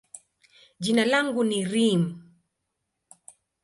jina langu ni Reem.